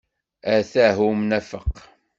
Ata umnafeq!